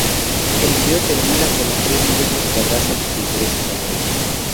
El video termina con los tres miembros que abrazan sus intereses amorosos.